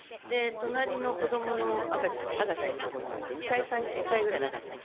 隣の子どもの、赤ちゃんいる所に行って、２歳ぐらいの赤ちゃん。